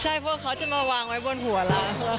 ใช่เพราะเขาจะมาวางไว้บนหัวเราะ